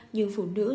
nhưng phụ nữ